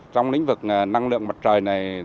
trong lĩnh vực năng lượng mặt trời này